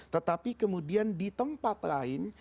tetapi kemudian di tempat lain